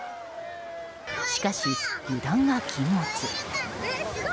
しかし、油断は禁物。